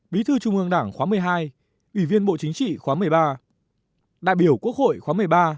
bí thư trung ương đảng khóa một mươi hai ủy viên bộ chính trị khóa một mươi ba đại biểu quốc hội khóa một mươi ba một mươi bốn một mươi năm